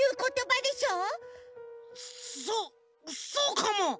そっそうかも！